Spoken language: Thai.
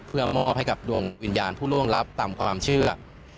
เพื่อมอบให้กับดวงวิญญาณผู้ล่วงลับตามความเชื่อ